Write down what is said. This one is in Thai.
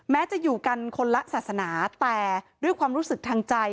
จะอยู่กันคนละศาสนาแต่ด้วยความรู้สึกทางใจ